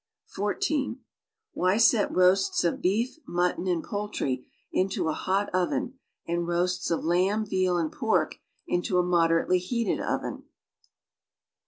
(14) Why set roasts of beef, mutton and poultry into a hot oven and roasts of lamb, veal and pork into a uujderately heated oven.